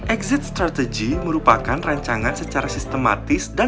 exit strategy merupakan rancangan secara sistematis dan